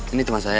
ini teman saya rio